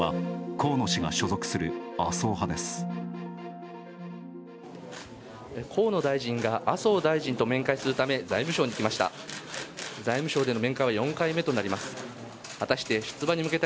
河野大臣が麻生大臣と面会するため財務省に来ました。